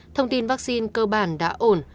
thông tin vaccine cơ bản đã ổn